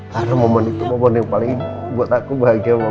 karena momen itu momen yang paling buat aku bahagia